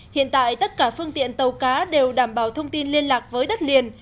hiện tại tất cả phương tiện tàu cá đều đảm bảo thông tin liên lạc với đất liền